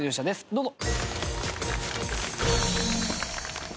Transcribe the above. どうぞ。